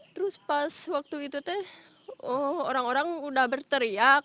terus pas waktu itu teh orang orang udah berteriak